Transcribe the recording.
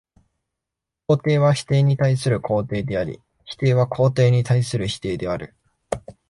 肯定は否定に対する肯定であり、否定は肯定に対する否定である。